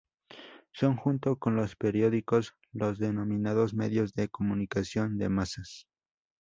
Son, junto con los periódicos, los denominados medios de comunicación de masas.